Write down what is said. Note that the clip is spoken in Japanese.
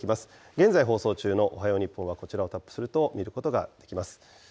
現在放送中のおはよう日本は、こちらをタップすると、見ることができます。